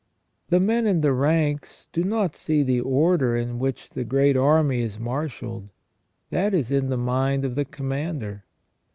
The men in the ranks do not see the order in which the great army is marshalled, that is in the mind of the commander.